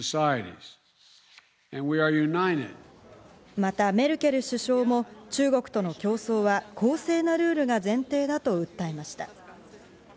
またメルケル首相も中国との競争は公正なルールが前提だと訴えました。